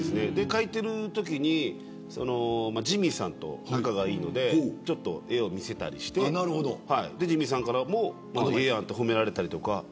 描いているときにジミーさんと仲がいいのでちょっと絵を見せたりしてジミーさんからもええやんと褒められたりとか。